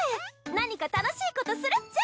何か楽しいことするっちゃ。